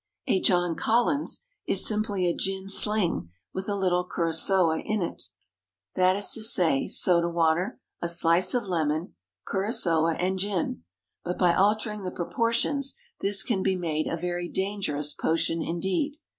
A John Collins is simply a gin sling with a little curaçoa in it. That is to say, soda water, a slice of lemon, curaçoa and gin. But by altering the proportions this can be made a very dangerous potion indeed.